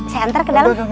saya antar ke dalam